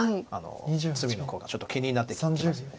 隅のコウがちょっと気になってきますよね。